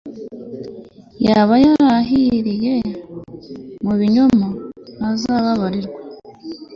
yaba yararahiye mu binyoma, ntazababarirwe